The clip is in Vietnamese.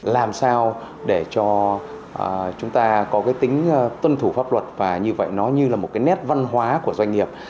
làm sao để cho chúng ta có cái tính tuân thủ pháp luật và như vậy nó như là một cái nét văn hóa của doanh nghiệp